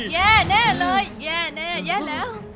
แย่แน่เลยแย่แน่แย่แล้ว